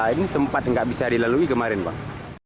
ini sempat nggak bisa dilalui kemarin bang